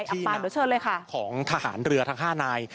ที่หน้าหัวของทหารเรือทั้ง๕นาย